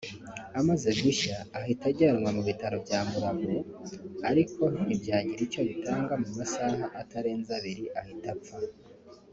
Amaze gushya yahise ajyanwa ku bitaro bya Mulago ariko ntibyagira icyo bitanga mu masaha atarenze abiri ahita apfa